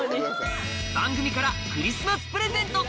番組からクリスマスプレゼント